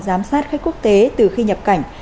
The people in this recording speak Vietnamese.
giám sát khách quốc tế từ khi nhập cảnh